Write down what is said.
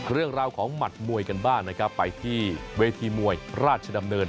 เรื่องราวของหมัดมวยกันบ้างนะครับไปที่เวทีมวยราชดำเนิน